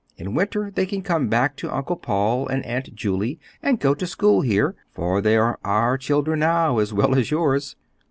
In winter they can come back to Uncle Paul and Aunt Julie and go to school here, for they are our children now, as well as yours."